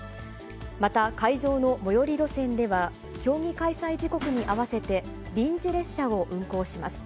また、会場の最寄り路線では競技開催時刻に合わせて臨時列車を運行します。